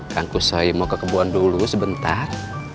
kangkusoy mau ke kebuan dulu sebentar